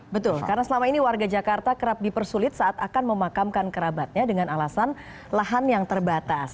betul karena selama ini warga jakarta kerap dipersulit saat akan memakamkan kerabatnya dengan alasan lahan yang terbatas